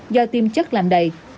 do tiêm chất làm đầy